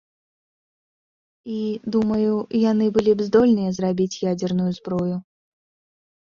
І, думаю, яны былі б здольныя зрабіць ядзерную зброю.